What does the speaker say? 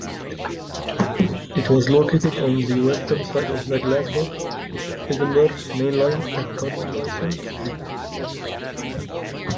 It was located on the western side of the Glasgow-Edinburgh mainline at Carlisle Street.